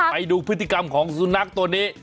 ไปดูพฤติกรรมของสุนัขตัวนี้